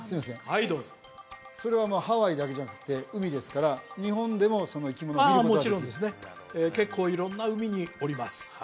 はいどうぞそれはまあハワイだけじゃなくて海ですから日本でもその生き物ああもちろんですね結構色んな海におります